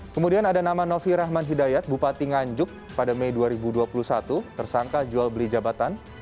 kemudian ada nama novi rahman hidayat bupati nganjuk pada mei dua ribu dua puluh satu tersangka jual beli jabatan